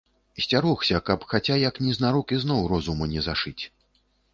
Сцярогся, каб хаця як незнарок ізноў розуму не зашыць.